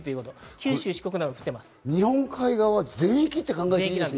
九州・四国など日本海側全域と考えていいで